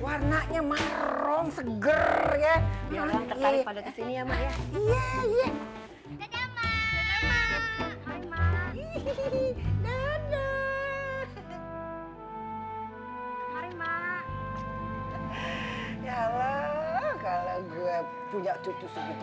wa barokatan fil jasad